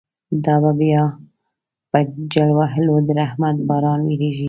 دا به بیا په جل وهلو، د رحمت باران وریږی